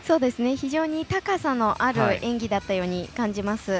非常に高さのある演技だったように感じます。